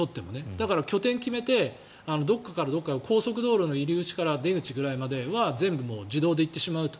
だから、拠点を決めてどこからどこか高速道路の入り口から出口ぐらいまでは全部、自動で行ってしまうと。